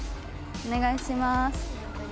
「お願いします。